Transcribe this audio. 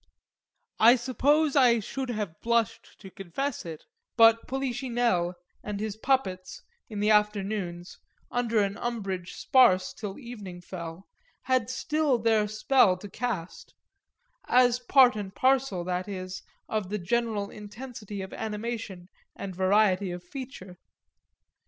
I suppose I should have blushed to confess it, but Polichinelle and his puppets, in the afternoons, under an umbrage sparse till evening fell, had still their spell to cast as part and parcel, that is, of the general intensity of animation and variety of feature.